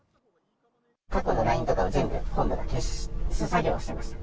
過去のＬＩＮＥとかを全部本部が消す作業をしていました。